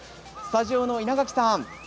スタジオの稲垣さん